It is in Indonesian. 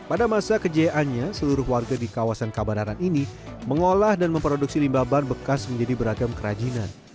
pada masa kejayaannya seluruh warga di kawasan kabadaran ini mengolah dan memproduksi limbah ban bekas menjadi beragam kerajinan